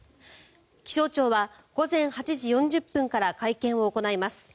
気象庁は午前８時４０分から会見を行います。